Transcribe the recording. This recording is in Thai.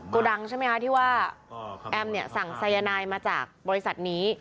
โกดังใช่ไหมคะที่ว่าแอมเนี่ยสั่งสายนายมาจากบริษัทนี้